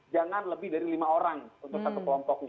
jangan lebih dari lima orang untuk satu kelompoknya